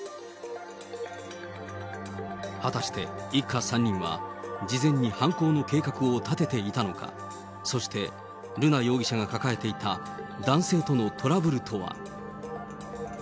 果たして、一家３人は事前に犯行の計画を立てていたのか、そして、瑠奈容疑者が抱えていた男性とのトラブルとは。